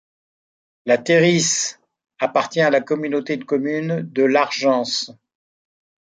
La Terisse appartient à la communauté de communes de l'Argence.